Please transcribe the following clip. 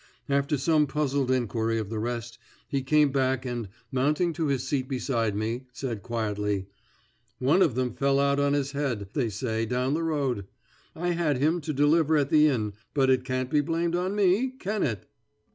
After some puzzled inquiry of the rest he came back and, mounting to his seat beside me, said quietly: "One of them fell out on his head, they say, down the road. I had him to deliver at the inn, but it can't be blamed on me, can it?"